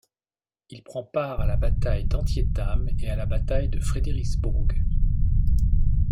Il prend part à la bataille d'Antietam et la bataille de Fredericksburg.